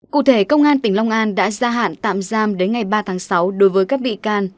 cụ thể công an tỉnh long an đã ra hạn tạm giam đến ngày ba tháng sáu đối với các bị can